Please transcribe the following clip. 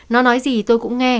nó nói gì tôi cũng nghe